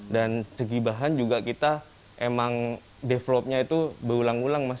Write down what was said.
dan segi bahan juga kita emang developnya itu berulang ulang mas